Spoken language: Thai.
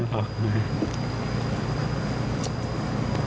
รัก